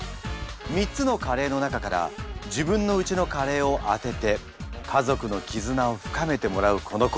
３つのカレーの中から自分のうちのカレーを当てて家族の絆を深めてもらうこのコーナー。